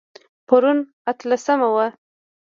پرون اتلسمه وه